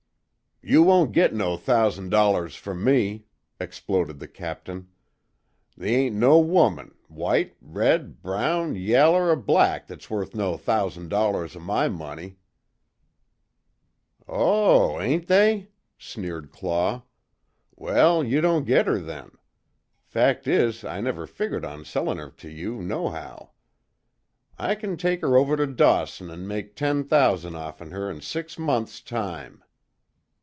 "You won't git no thousan' dollars from me!" exploded the Captain, "They ain't no woman, white, red, brown, yaller, or black that's worth no thousan' dollars o' my money!" "Oh, ain't they?" sneered Claw, "Well you don't git her then. Fact is I never figgered on sellin' her to you, nohow. I kin take her over to Dawson an' make ten thousan' offen her in six months' time.